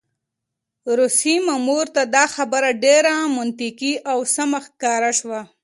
روسي مامور ته دا خبره ډېره منطقي او سمه ښکاره شوه.